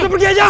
kita pergi aja